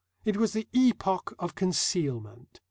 It was the epoch of concealment.